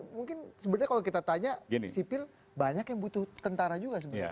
mungkin sebenarnya kalau kita tanya sipil banyak yang butuh tentara juga sebenarnya